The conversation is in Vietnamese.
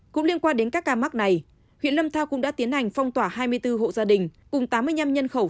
cũng liên quan đến các ca mắc này huyện lâm thao cũng đã tiến hành phong tỏa hai mươi bốn hộ gia đình cùng tám mươi năm nhân khẩu